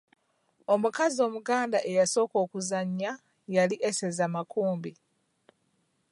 Omukazi omuganda eyasooka okuzannya yali Eseza Makumbi.